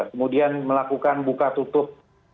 kemudian melakukan buka tutup